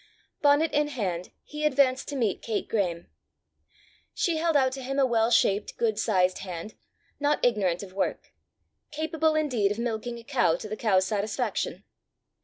Bonnet in hand he advanced to meet Kate Graeme. She held out to him a well shaped, good sized hand, not ignorant of work capable indeed of milking a cow to the cow's satisfaction.